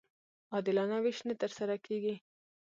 عادلانه وېش نه ترسره کېږي.